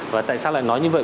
và tại sao lại nói như vậy